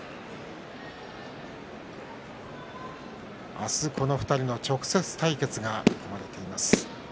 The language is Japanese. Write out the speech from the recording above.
明日、この２人の直接対決が組まれています。